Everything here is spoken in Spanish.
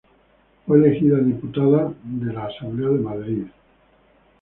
Fue elegida diputada de la de la Asamblea de Madrid.